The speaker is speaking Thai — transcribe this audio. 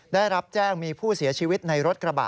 ได้รับแจ้งมีผู้เสียชีวิตในรถกระบะ